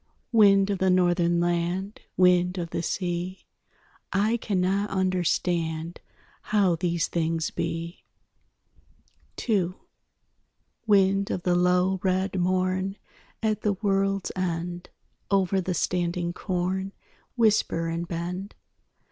Wind of the Northern land, Wind of the sea, I cannot understand How these things be. II Wind of the low red morn At the world's end, Over the standing corn Whisper and bend.